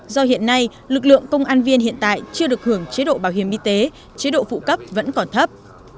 do hiện nay lực lượng công an viên hiện tại chưa được hưởng chế độ bảo hiểm y tế chế độ phụ cấp vẫn còn thấp